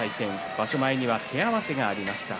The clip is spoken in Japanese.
場所前には手合わせがありました。